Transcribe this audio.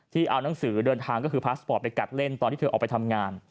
เอานังสือเดินทางก็คือพาสปอร์ตไปกัดเล่นตอนที่เธอออกไปทำงาน